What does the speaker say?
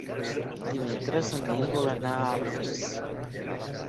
Dimecres en Nil vol anar a Alfés.